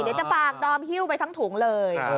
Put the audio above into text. ใช่เดี๋ยวจะฝากดอมฮิ้วไปทั้งถุงเลย